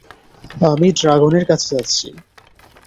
আমি ড্রাগনের কাছে যাচ্ছি।